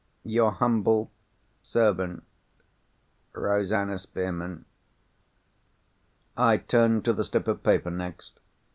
Your humble servant, "ROSANNA SPEARMAN." I turned to the slip of paper next.